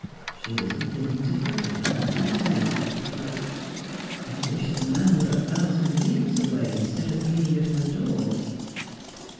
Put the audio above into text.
' She is beginning to forget Morton Blake,' he thought. ' I wish the man were a thousand leagues away, instead of being at her door.'